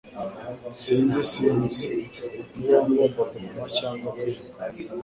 Sinzi Sinzi niba ngomba kuguma cyangwa kwiruka.